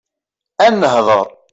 Ad nehḍeṛ.